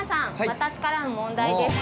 私からの問題です。